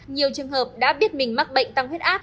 nhiều trường hợp đã biết mình mắc bệnh tăng huyết áp